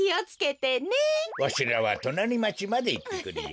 わしらはとなりまちまでいってくるよ。